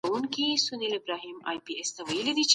میړه او ښځه یو بل نه پوهېږي.